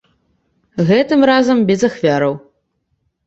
Гэтым разам без ахвяраў.